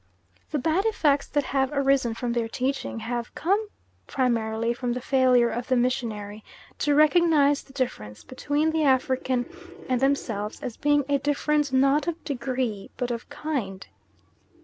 The bad effects that have arisen from their teaching have come primarily from the failure of the missionary to recognise the difference between the African and themselves as being a difference not of degree but of kind.